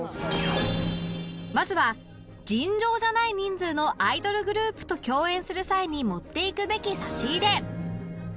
まずは尋常じゃない人数のアイドルグループと共演する際に持っていくべき差し入れ